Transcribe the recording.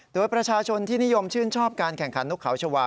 โดยประชาชนที่นิยมชื่นชอบการแข่งขันนกเขาชาวา